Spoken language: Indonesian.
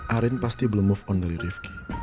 arin pasti belum move on dari rifki